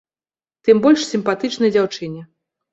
Тым больш сімпатычнай дзяўчыне!